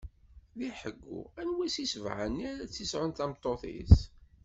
Di ḥeggu, anwa si sebɛa-nni ara tt-isɛun d tameṭṭut-is?